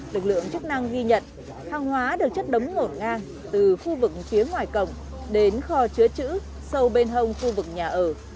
lực lượng chức năng ghi nhận hàng hóa được chất đống ngổn ngang từ khu vực phía ngoài cổng đến kho chứa chữ sâu bên hông khu vực nhà ở